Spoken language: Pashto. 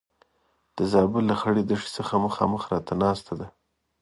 د زابل له خړې دښتې څخه مخامخ راته ناسته ده.